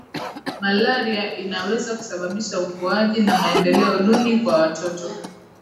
malaria inaweza kusababisha ukuaji na maendeleo duni kwa watoto